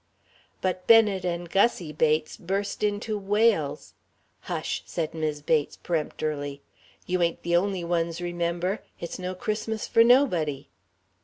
But Bennet and Gussie Bates burst into wails. "Hush!" said Mis' Bates, peremptorily. "You ain't the only ones, remember. It's no Christmas for nobody!"